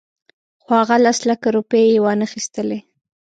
خو هغه لس لکه روپۍ یې وانخیستلې.